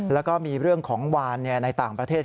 แล้วก็มีเรื่องของวานในต่างประเทศ